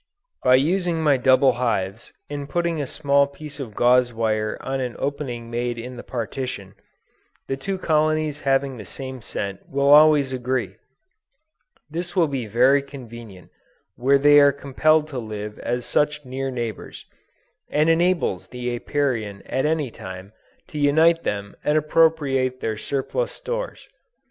By using my double hives, and putting a small piece of gauze wire on an opening made in the partition, the two colonies having the same scent will always agree; this will be very convenient where they are compelled to live as such near neighbors, and enables the Apiarian at any time to unite them and appropriate their surplus stores.